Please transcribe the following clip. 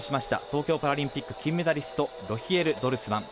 東京パラリンピック金メダリストロヒエル・ドルスマン。